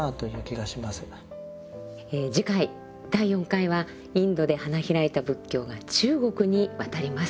次回第４回はインドで花開いた仏教が中国に渡ります。